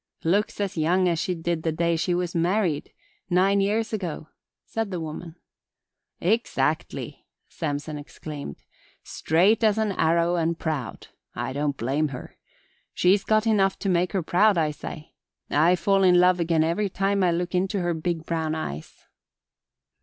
"Looks as young as she did the day she was married nine years ago," said the woman. "Exactly!" Samson exclaimed. "Straight as an arrow and proud! I don't blame her. She's got enough to make her proud I say. I fall in love again every time I look into her big brown eyes."